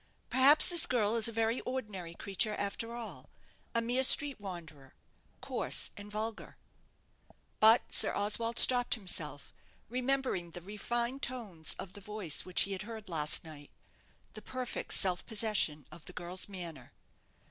"Perhaps this girl is a very ordinary creature after all a mere street wanderer, coarse and vulgar." But Sir Oswald stopped himself, remembering the refined tones of the voice which he had heard last night the perfect self possession of the girl's manner.